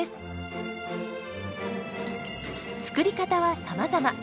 作り方はさまざま。